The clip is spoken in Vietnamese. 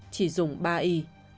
hai chỉ dùng ba y